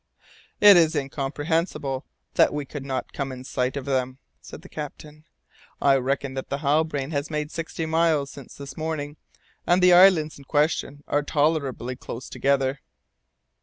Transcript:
"It is incomprehensible that we have not come in sight of them," said the captain. "I reckon that the Halbrane has made sixty miles since this morning, and the islands in question are tolerably close together."